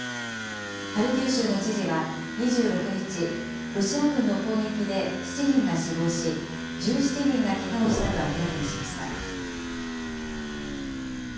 ハルキウ州の知事は、２６日、ロシア軍の砲撃で７人が死亡し、１７人がけがをしたと明らかにしました。